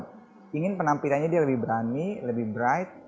dia yang ingin penampilannya dia lebih berani lebih bright